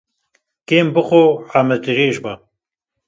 Kêm bixwe, emir dirêj be.